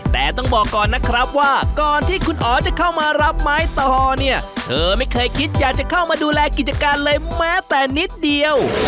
แต่ต้องบอกก่อนนะครับว่าก่อนที่คุณอ๋อจะเข้ามารับไม้ต่อเนี่ยเธอไม่เคยคิดอยากจะเข้ามาดูแลกิจการเลยแม้แต่นิดเดียว